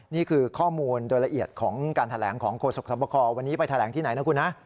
นี่คือข้อมูลโดยละเอียดของการแถลงของโฆษกสมควันนี้ไปแถลงที่ไหนนะคุณฮะ